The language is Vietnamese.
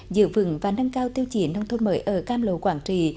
giữ vững và nâng cao tiêu chỉ nông thôn mới ở cam lô quảng trì